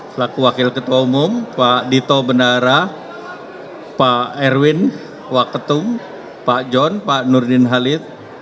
selaku wakil ketua umum pak dito bendara pak erwin waketum pak john pak nurdin halid